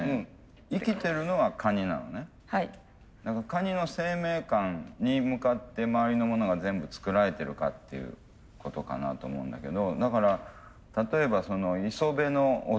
カニの生命感に向かって周りのものが全部作られているかっていうことかなと思うんだけどだから例えば磯辺の音みたいな感じ